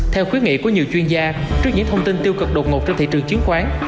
theo khuyến nghị của nhiều chuyên gia trước những thông tin tiêu cực đột ngột trên thị trường chứng khoán